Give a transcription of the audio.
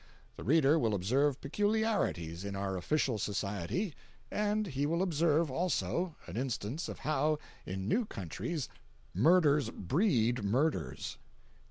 The reader will observe peculiarities in our official society; and he will observe also, an instance of how, in new countries, murders breed murders.